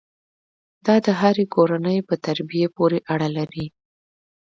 دا د هرې کورنۍ په تربیې پورې اړه لري.